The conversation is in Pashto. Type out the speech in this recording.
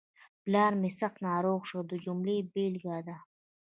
پلار مې سخت ناروغ شو د جملې بېلګه ده.